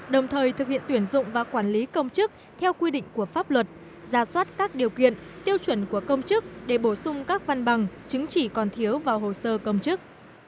đồng thời thực hiện tuyển dụng và quản lý công chức theo quy định của pháp luật ra soát các điều kiện tiêu chuẩn của công chức để bổ sung các văn bằng chứng chỉ còn thiếu vào hồ sơ công chức